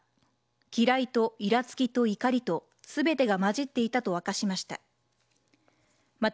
嫌いといらつきと怒りと全てがまじっていたと明かしました。